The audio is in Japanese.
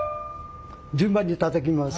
順番にたたきます。